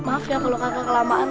maaf ya kalau kakak kelamaan